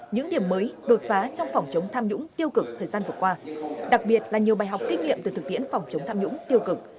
những điểm mới đột phá trong phòng chống tham nhũng tiêu cực thời gian vừa qua đặc biệt là nhiều bài học kinh nghiệm từ thực tiễn phòng chống tham nhũng tiêu cực